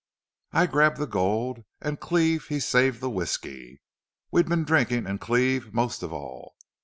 I grabbed the gold an' Cleve he saved the whisky. We'd been drinkin' an' Cleve most of all.